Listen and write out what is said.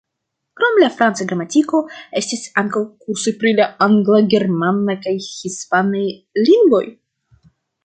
Krom la franca gramatiko, estis ankaŭ kursoj pri la angla, germana kaj hispana lingvoj.